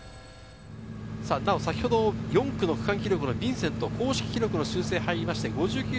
なお先ほど４区の区間記録のヴィンセント、公式記録の修正が入りました。